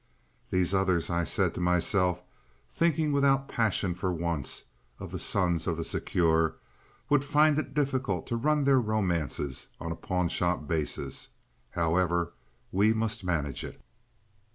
"These others," I said to myself, thinking without passion for once of the sons of the Secure, "would find it difficult to run their romances on a pawnshop basis. However, we must manage it."